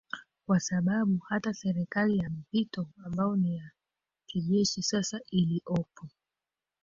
kwa sababu hata serikali ya mpito ambayo ni ya kijeshi sasa iliopo